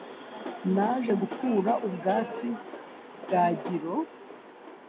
naje gukura ubwatsi, bwagiro